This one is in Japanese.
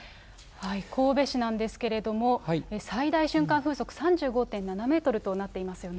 神戸市なんですけれども、最大瞬間風速３５．７メートルとなっていますよね。